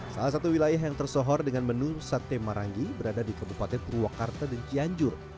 salah satu wilayah yang tersohor dengan menu sate marangi berada di kabupaten purwakarta dan cianjur